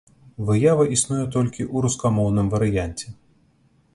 Выява існуе толькі ў рускамоўным варыянце.